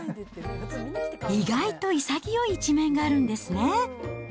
意外と潔い一面があるんですね。